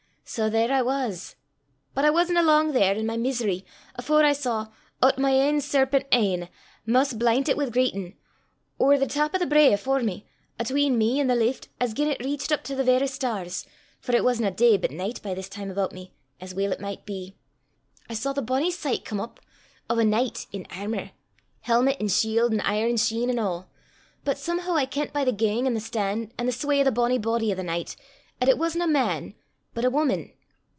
Sae there I was! But I wasna lang there i' my meesery, afore I saw, oot o' my ain serpent e'en, 'maist blin't wi' greitin', ower the tap o' the brae afore me, atween me an' the lift, as gien it reacht up to the verra stars, for it wasna day but nicht by this time aboot me, as weel it micht be, I saw the bonnie sicht come up o' a knicht in airmour, helmet an' shield an' iron sheen an' a'; but somehoo I kent by the gang an' the stan' an' the sway o' the bonnie boady o' the knicht, 'at it was nae man, but a wuman.